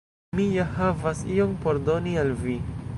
Mi ja havas ion por doni al vi